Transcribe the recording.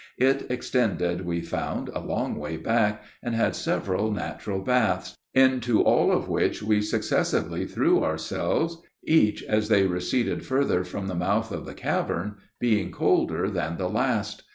It extended, we found, a long way back, and had several natural baths, into all of which we successively threw ourselves; each, as they receded further from the mouth of the cavern, being colder than the last.